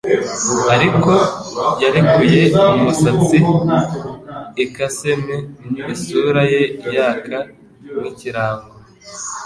Ariko yarekuye umusatsi i 'casement! Isura ye yaka nk'ikirango